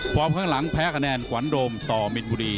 ข้างหลังแพ้คะแนนขวัญโดมต่อมินบุรี